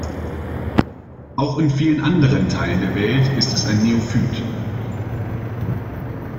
Auch in vielen anderen Teilen der Welt ist es ein Neophyt.